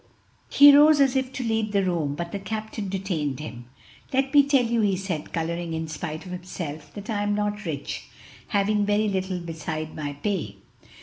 He rose as if to leave the room, but the captain detained him. "Let me tell you," he said, coloring in spite of himself, "that I am not rich, having very little beside my pay."